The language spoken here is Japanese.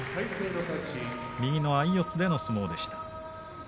右の相四つでの相撲でした。